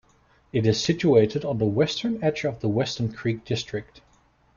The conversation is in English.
It is situated on the western edge of the Weston Creek district.